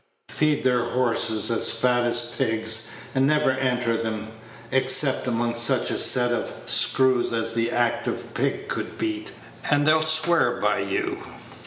Feed their horses as fat as pigs, and never enter 'em except among such a set of screws as an active pig could beat, and they'll swear by you.